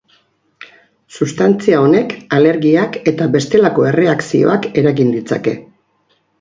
Substantzia honek alergiak eta bestelako erreakzioak eragin ditzake.